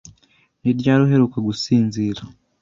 Ni ryari uheruka gusinzira?